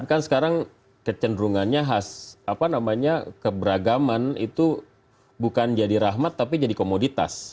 kan sekarang kecenderungannya khas apa namanya keberagaman itu bukan jadi rahmat tapi jadi komoditas